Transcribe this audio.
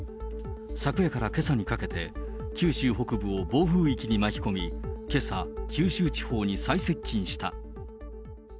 昨夜からけさにかけて、九州北部を暴風域に巻き込み、けさ、九州地方に最接近した。